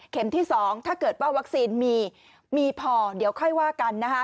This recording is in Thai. ที่๒ถ้าเกิดว่าวัคซีนมีมีพอเดี๋ยวค่อยว่ากันนะคะ